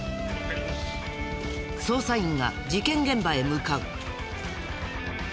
捜査員が事件現場へ向かう。